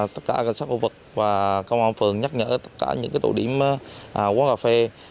tất cả các xác vụ vực và công an phường nhắc nhở tất cả những tổ điểm quán cà phê